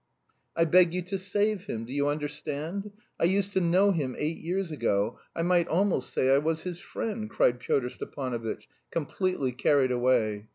"I beg you to save him, do you understand? I used to know him eight years ago, I might almost say I was his friend," cried Pyotr Stepanovitch, completely carried away.